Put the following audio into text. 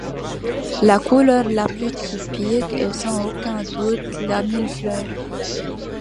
La couleur la plus typique est sans aucun doute la mille fleur.